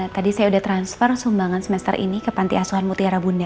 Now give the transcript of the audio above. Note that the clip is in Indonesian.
tadi saya sudah transfer sumbangan semester ini ke panti asuhan mutiara bunda